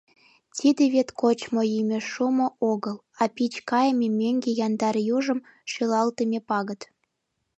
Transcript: Тиде вет кочмо-йӱмӧ шумо огыл, а пич кайыме мӧҥгӧ яндар южым шӱлалтыме пагыт.